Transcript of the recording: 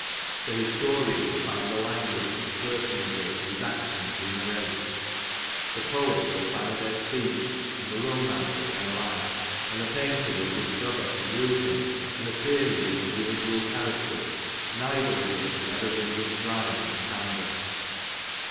The historian will find the language of the personages, v^hose actions he narrates ; the poet vrill find their speech and the romance of their life; and the painter will discover a grouping, and a series of individual characters, neither of which have ever been described on canvass.